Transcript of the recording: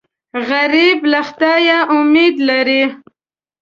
غریب له خدایه امید لري